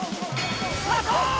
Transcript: スタート！